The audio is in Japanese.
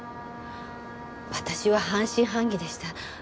私は半信半疑でした。